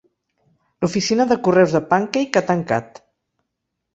L'oficina de correus de Pancake ha tancat.